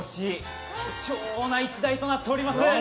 貴重な１台となっております。